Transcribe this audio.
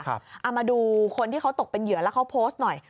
เอามาดูคนที่เขาตกเป็นเหยื่อแล้วเขาโพสต์หน่อย